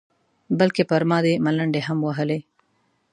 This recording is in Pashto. بلکې پر ما دې ملنډې هم وهلې.